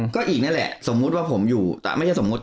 ก็อีกนั่นแหละสมมุติว่าผมอยู่แต่ไม่ใช่สมมุติ